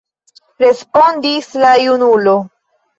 respondis la junulo.